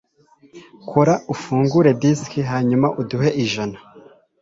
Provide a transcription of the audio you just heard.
kora ufungure disiki hanyuma uduhe ijana